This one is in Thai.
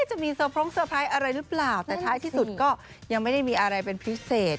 จะมีเซอร์พรงเตอร์ไพรส์อะไรหรือเปล่าแต่ท้ายที่สุดก็ยังไม่ได้มีอะไรเป็นพิเศษ